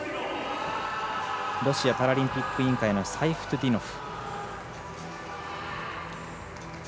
ロシアパラリンピック委員会のサイフトゥディノフ。